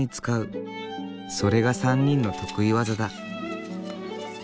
それが３人の得意技だ。